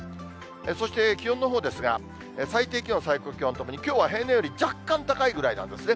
そして気温のほうですが、最低気温、最高気温ともにきょうは平年より若干高いぐらいなんですね。